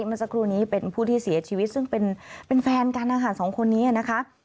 เมื่อสักครู่นี้เป็นผู้ที่เสียชีวิตซึ่งเป็นแฟนกันนะคะสองคนนี้นะคะ